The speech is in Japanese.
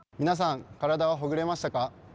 皆さん、体はほぐれましたか？